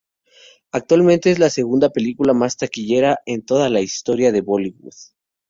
Actualmente es la segunda película más taquillera en todo la historia de Bollywood.